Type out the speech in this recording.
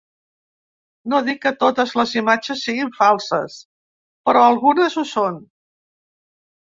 No dic que totes les imatges siguin falses, però algunes ho són.